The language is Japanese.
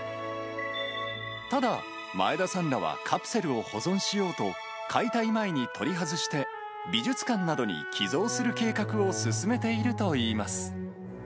ただ、前田さんらはカプセルを保存しようと、解体前に取り外して、美術館などに寄贈する計画を進めているといいます。